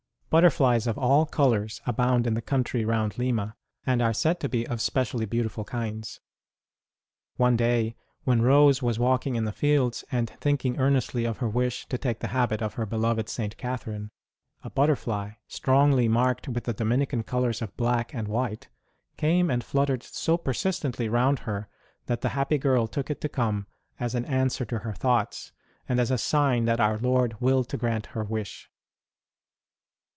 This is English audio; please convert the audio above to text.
Butterflies of all colours abound in the country round Lima, and are said to be of specially beautiful kinds. One day, when Rose was walking in the fields and thinking earnestly of her wish to take the habit of her beloved St. Catherine, a butterfly, strongly marked with the Dominican colours of black and 0,6 ST. ROSE OF LIMA white, came and fluttered so persistently round her that the happy girl took it to come as an answer to her thoughts, and a sign that Our Lord willed to grant her wish.